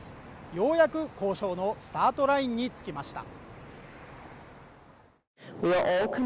ようやく交渉のスタートラインにつきました